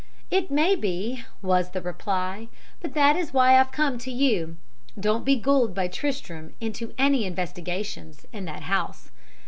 "It may be," was the reply, "but that is why I've come to you. Don't be gulled by Tristram into any investigations in that house.